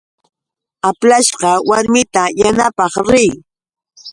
Aplashqa warmita yanapaq riy.